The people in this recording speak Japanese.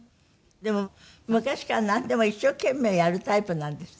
でも昔からなんでも一生懸命やるタイプなんですって？